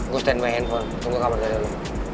gua stand by handphone tunggu kamar dari lo